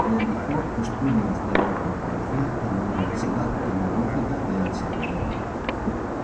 Realizó estudios de antropología en la Universidad Tecnológica de El Salvador.